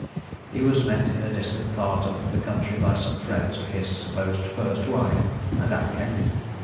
He was met in a distant part of the country by some friends of his supposed first wife, and apprehended.